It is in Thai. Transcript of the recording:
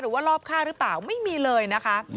หรือว่าลอบฆ่าหรือเปล่าไม่มีเลยนะคะ